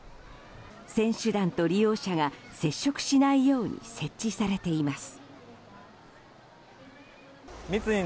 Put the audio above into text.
選手団と利用者が接触しないように設置されています。